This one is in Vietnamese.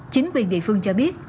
chính quyền địa phương cho biết